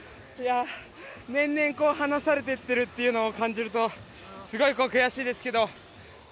年々離されているのを感じるとすごい悔しいですけど